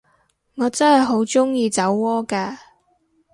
我真係好鍾意酒窩㗎